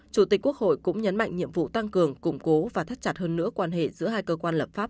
chủ tịch quốc hội cũng nhấn mạnh nhiệm vụ tăng cường củng cố và thắt chặt hơn nữa quan hệ giữa hai cơ quan lập pháp